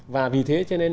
và vì thế cho nên